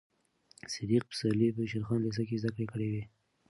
صدیق پسرلي په شېر خان لېسه کې زده کړې کړې وې.